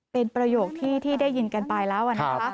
เป็นประโยชน์ที่ได้ยินกันไปแล้ว